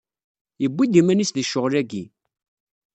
Yewwi-d iman-is deg ccɣel-agi.